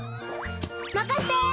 まかせて。